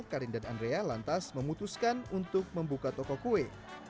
karin dan andrea lantas memutuskan untuk membuka toko kue